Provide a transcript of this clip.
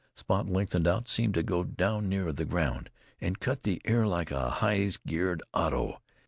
Spot lengthened out, seemed to go down near the ground, and cut the air like a high geared auto.